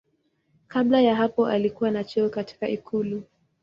Kabla ya hapo alikuwa na cheo katika ikulu.